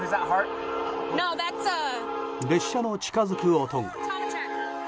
列車の近づく音が。